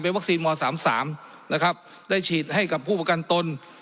เป็นวัคซีนม๓๓ได้ฉีดให้กับผู้ประกันตน